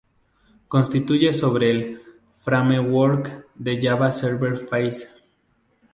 Construye sobre el framework de Java Server Faces.